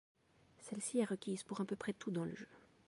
Celle-ci est requise pour à peu près tout dans le jeu.